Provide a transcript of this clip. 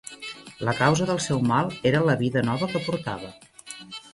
La causa del seu mal era la vida nova que portava